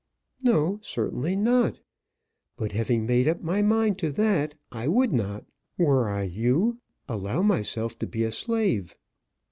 "No, certainly not. But, having made up my mind to that, I would not, were I you, allow myself to be a slave."